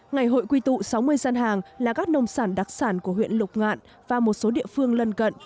ngày hội quy tụ sáu mươi gian hàng là các nông sản đặc sản của huyện lục ngạn và một số địa phương lân cận